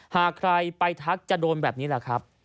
หากใครไปทักจะโดนแบบนี้แหละครับ